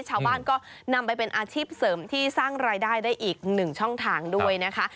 ชาวบ้านก็นำไปเป็นอาชีพเสริมที่สร้างรายได้ได้อีกหนึ่งช่องทางด้วยนะคะ